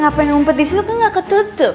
gak pengen ngumpet disitu kaya gak ketutup